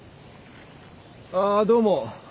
あっどうも。